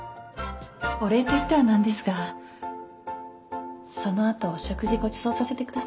お礼と言っては何ですがそのあとお食事ごちそうさせてください。